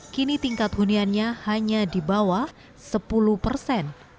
kini tingkat huniannya hanya di bawah sepuluh persen